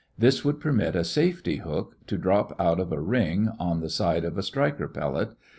This would permit a safety hook, B, to drop out of a ring, C, on the end of a striker pellet, D.